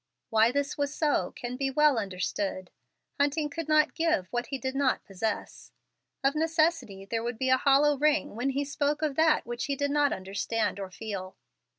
Why this was so can be well understood. Hunting could not give what he did not possess. Of necessity there would be a hollow ring when he spoke of that which he did not understand or feel.